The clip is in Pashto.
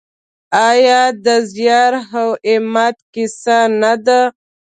آیا د زیار او همت کیسه نه ده؟